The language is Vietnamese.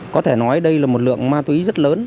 có thể nói đây là một lượng ma túy rất lớn